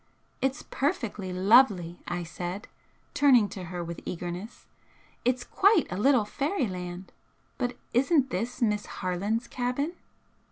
"It's perfectly lovely!" I said, turning to her with eagerness "It's quite a little fairyland! But isn't this Miss Harland's cabin?"